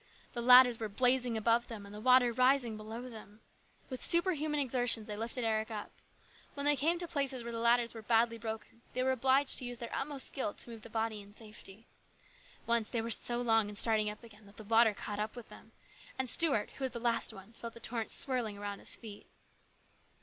The ladders were blazing above them and the water rising below them. With superhuman THE RESCUE. 71 exertions they lifted Eric up. When they came to places where the ladders were badly broken they were obliged to use their utmost skill to move the body in safety. Once they were so long in starting up again that the water caught up with them, and Stuart, who was the last one, felt the torrent swirling around his feet.